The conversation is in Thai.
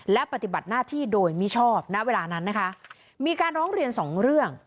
และปฏิบัติหน้าที่โดยมิชอบณเวลานั้นนะคะมีการร้องเรียนสองเรื่อง